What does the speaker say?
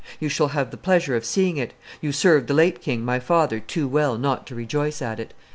You shall have the pleasure of seeing it; you served the late king my father too well not to rejoice at it."